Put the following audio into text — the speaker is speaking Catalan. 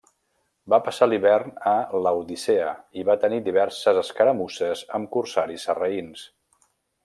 Va passar l'hivern a Laodicea i va tenir diverses escaramusses amb corsaris sarraïns.